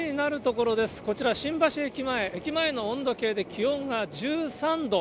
こちら、新橋駅前、駅前の温度計で気温が１３度。